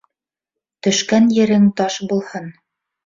Төшкән ерең таш булһын.